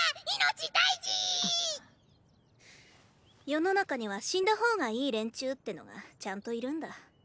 世の中には死んだ方がいい連中ってのがちゃんといるんだ。